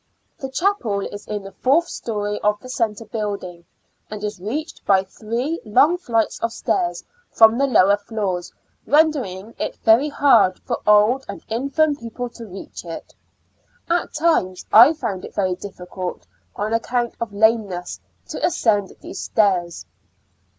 The chapel is in the fourth story of the center building, and is reached by three long flights of stairs from the lower floors, rendering it very hard for old and infirm people to reach it. At times I found it very difficult, on account of lameness, to ascend these stairs.